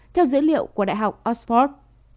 theo dữ liệu của đại học oxford